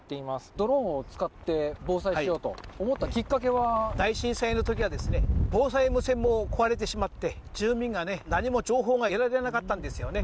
ドローンを使って防災しよう大震災のときは防災無線も壊れてしまって、住民が何も情報が得られなかったんですよね。